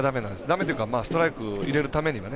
だめというかストライクいれるためには。